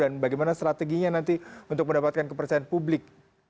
dan bagaimana strategi anda untuk mendapatkan kepercayaan publik